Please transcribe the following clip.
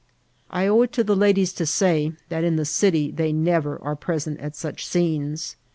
I owe it to the ladies to say, that in the city they never are present at such scenes.